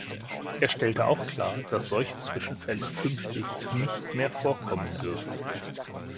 Er stellte auch klar, dass solche Zwischenfälle künftig nicht mehr vorkommen dürfen.